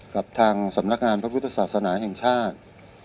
กับทางสำนักงานพระพุทธศาสนาแห่งชาติ